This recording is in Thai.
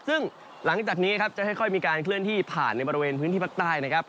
ซึ่งหลังจากนี้ครับจะค่อยมีการเคลื่อนที่ผ่านในบริเวณพื้นที่ภาคใต้นะครับ